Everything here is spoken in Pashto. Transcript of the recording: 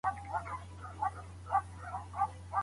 غږیږي د باران په ژبه